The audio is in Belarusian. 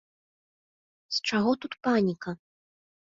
З чаго тут паніка?